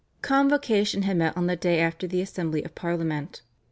Convocation had met on the day after the assembly of Parliament.